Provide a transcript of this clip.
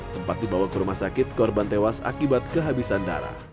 sempat dibawa ke rumah sakit korban tewas akibat kehabisan darah